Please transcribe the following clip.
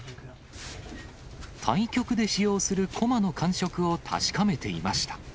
対局で使用する駒の感触を確かめていました。